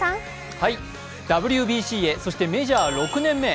ＷＢＣへ、そしてメジャー６年目へ。